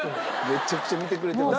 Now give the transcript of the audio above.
めちゃくちゃ見てくれてます。